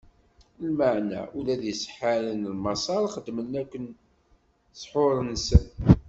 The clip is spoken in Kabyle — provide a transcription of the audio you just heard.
Lameɛna ula d iseḥḥaren n Maṣer xedmen akken s ssḥur-nsen.